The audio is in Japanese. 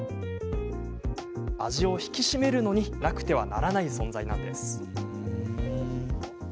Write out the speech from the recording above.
味を引き締めるのになくてはならない存在なんです。